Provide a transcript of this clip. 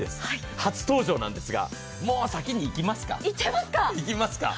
初登場なんですが、もう先にいきますか。